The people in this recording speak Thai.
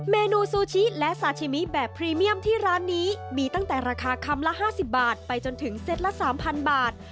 เมนูซูชิและซาชิมิแบบพรีเมียมที่ร้านนี้มีตั้งแต่ราคาคำละ๕๐บาทไปจนถึงเซตละ๓๐๐บาท